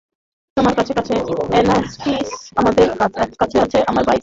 তোমার কাছে আছে অ্যানালিস্ট, আমার কাছে আছে আমার বাইক।